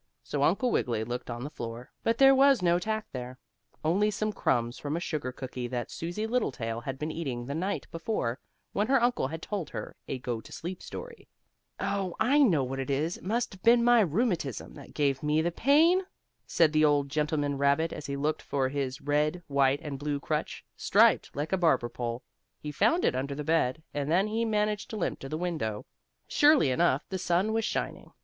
So Uncle Wiggily looked on the floor, but there was no tack there, only some crumbs from a sugar cookie that Susie Littletail had been eating the night before, when her uncle had told her a go to sleep story. "Oh, I know what it was; it must have been my rheumatism that gave me the pain!" said the old gentleman rabbit as he looked for his red, white and blue crutch, striped like a barber pole. He found it under the bed, and then he managed to limp to the window. Surely enough, the sun was shining.